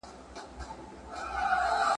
او یوازي په دې لوی کور کي تنهاده ,